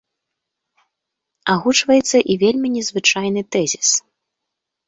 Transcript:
Агучваецца і вельмі незвычайны тэзіс.